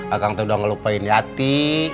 akang tuh udah ngelupain yati